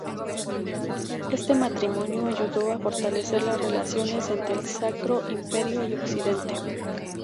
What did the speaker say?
Este matrimonio ayudó a fortalecer las relaciones entre el Sacro Imperio y Occidente.